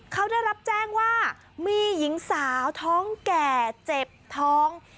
เขาได้รับแจ้งว่ามีหญิงสาวท้องแก่เจ็บท้อง